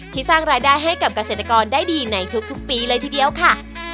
สร้างรายได้ให้กับเกษตรกรได้ดีในทุกปีเลยทีเดียวค่ะ